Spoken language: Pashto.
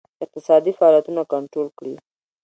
اقتصادي فعالیتونه کنټرول کړي.